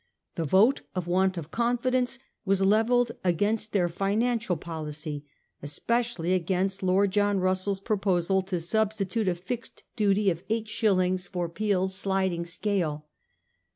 The vote of want of confidence was levelled against their financial policy, especially against Lord J ohn Russell's proposal to substitute a fixed duty of 1841 6 . THE CORN LAWS. 825 eight shillings for Peel's sliding scale.